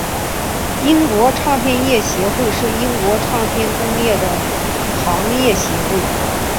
英国唱片业协会是英国唱片工业的行业协会。